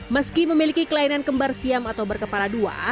meski memiliki kelainan kembar siam atau berkepala dua